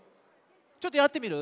ちょっとやってみる？